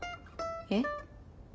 えっ？